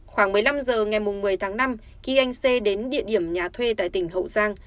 khoảng một mươi năm h ngày một mươi tháng năm khi anh xê đến địa điểm nhà thuê tại tỉnh hậu giang